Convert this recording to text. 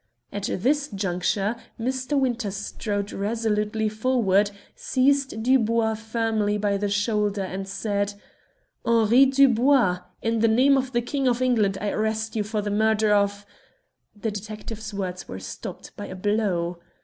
At this juncture Mr. Winter strode resolutely forward, seized Dubois firmly by the shoulder, and said "Henri Dubois! In the name of the King of England I arrest you for the murder of " The detective's words were stopped by a blow.